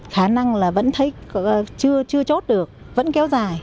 khả năng là vẫn thấy chưa chốt được vẫn kéo dài